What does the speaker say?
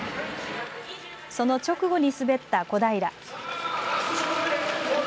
その直後に滑った小平。